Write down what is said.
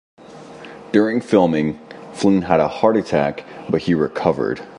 During filming Flynn had a heart attack but he recovered.